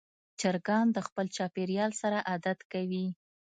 چرګان د خپل چاپېریال سره عادت کوي.